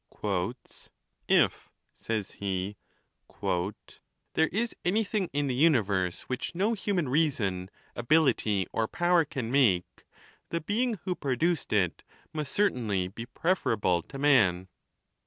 "If," says he, "there is any thing in the universe which no human reason, ability, or power can make, the being who produced it must certainly be preferable to man.